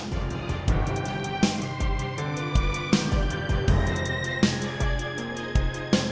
aku ngayle ikutan sekitar tiga belas pakaian semuanya